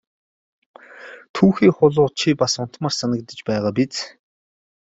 Түүхий хулуу чи бас унтмаар санагдаж байгаа биз!